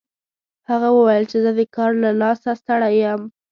هغه وویل چې زه د کار له لاسه ستړی یم